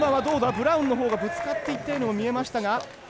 ブラウンの方がぶつかっていったようにも見えましたが。